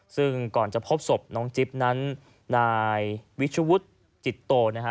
ซึ่งก่อนจะพบศพน้องจิ๊บนั้นนายวิชวุฒิจิตโตนะฮะ